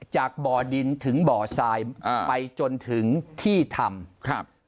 จากบ่อดินถึงบ่อสายไปจนถึงที่ทำ